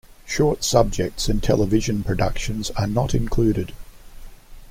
Short subjects and television productions are not included.